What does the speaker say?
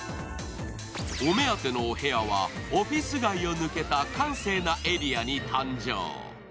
お目当てのお部屋はオフィス街を抜けた閑静なエリアに誕生。